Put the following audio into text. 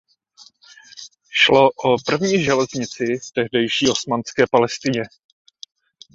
Šlo o první železnici v tehdejší osmanské Palestině.